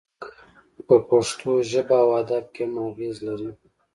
دا سبک په پښتو ژبه او ادب کې هم اغیز لري